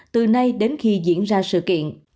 từ nay đến khi diễn ra sự kiện